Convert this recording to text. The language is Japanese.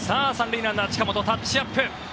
３塁ランナー、近本タッチアップ。